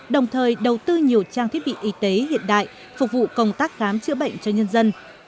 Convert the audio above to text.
đồng thời đầu tư nhiều trang thiết bị y tế hiện đại phục vụ công tác khám chữa bệnh cho nhân dân